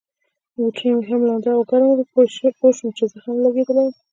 بوټونه مې هم لانده او ګرم ول، پوه شوم چي زه هم لګېدلی یم.